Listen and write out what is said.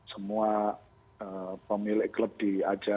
semua pemilik klub di aja